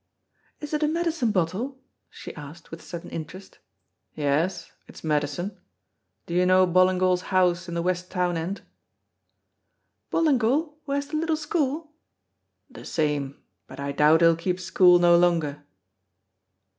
"Is it a medicine bottle?" she asked, with sudden interest. "Yes, it's medicine. Do you know Ballingall's house in the West town end?" "Ballingall who has the little school?" "The same, but I doubt he'll keep school no longer."